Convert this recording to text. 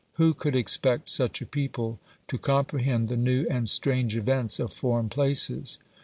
Who could expect such a people to comprehend the new and strange events of foreign places?